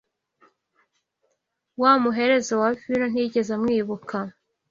Wa muhereza wa vino ntiyigeze amwibuka